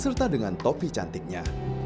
serta dengan topi cantiknya